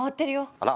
あら。